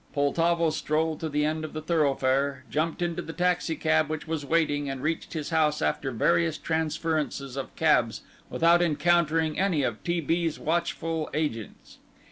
Poltavo strolled to the end of the thoroughfare, jumped into the taxicab which was waiting and reached his house after various transferences of cabs without encountering any of T. B.'s watchful agents.